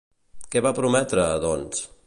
Què va promoure, doncs?